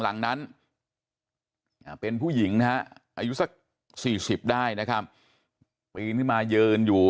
หลังนั้นเป็นผู้หญิงนะฮะอายุสัก๔๐ได้นะครับปีนขึ้นมายืนอยู่